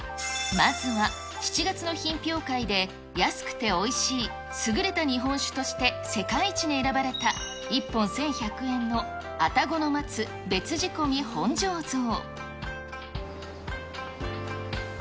まずは、７月の品評会で安くておいしい優れた日本酒として世界一に選ばれた、１本１１００円の愛宕の松別仕込本醸造。